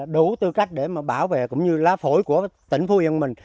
đủ tư cách để mà bảo vệ cũng như lá phổi của tỉnh phú yên mình